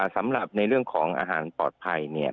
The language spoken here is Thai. สำหรับในเรื่องของอาหารปลอดภัยเนี่ย